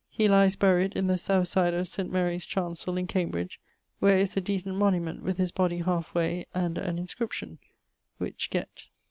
He lies buried in the south side of St. Marie's chancell, in Cambridge, wher is a decent monument, with his body halfe way, and an inscription, which gett.